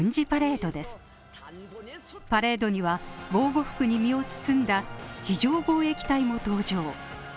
パレードには防護服に身を包んだ非常防疫隊も登場。